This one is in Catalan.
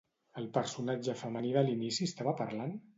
El personatge femení de l'inici estava parlant?